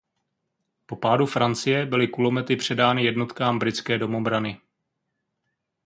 Po pádu Francie byly kulomety předány jednotkám britské domobrany.